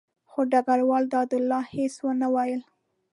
خو ډګروال دادالله هېڅ ونه ویل.